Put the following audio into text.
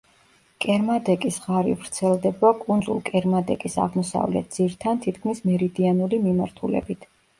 კერმადეკის ღარი ვრცელდება კუნძულ კერმადეკის აღმოსავლეთ ძირთან თითქმის მერიდიანული მიმართულებით.